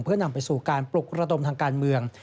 เพื่อนำไปสู่การปลุกระดมทางการเมือง